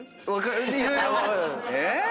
えっ⁉